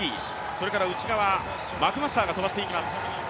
それから内側、マクマスターが飛ばしていきます。